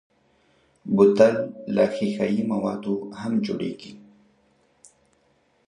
بوتل له ښیښهيي موادو هم جوړېږي.